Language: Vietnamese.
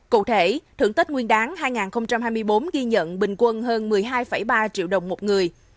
cụ thể thưởng tết nguyên đáng hai nghìn hai mươi bốn ghi nhận bình quân hơn một mươi hai ba triệu đồng một người